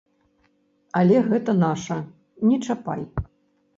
Але гэта наша, не чапай!